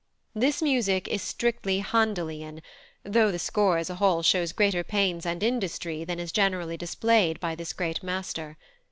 This music is strictly Handelian, though the score as a whole shows greater pains and industry than is generally displayed by his great master.